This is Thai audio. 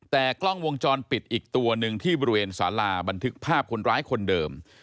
แต่กล้องวงจรปิดอีกตัวหนึ่งที่บริเวณสาราบันทึกภาพคนร้ายคนเดิม